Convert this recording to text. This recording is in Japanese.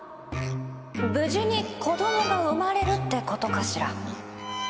「無事に子供が生まれる」ってことかしら？